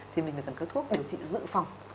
thì mình phải cần cái thuốc điều trị dự phòng